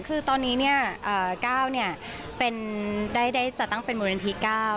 คือตอนนี้เนี่ยก้าวเนี่ยได้จัดตั้งเป็นมูลนิธีก้าว